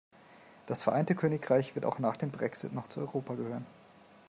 Das Vereinigte Königreich wird auch nach dem Brexit noch zu Europa gehören.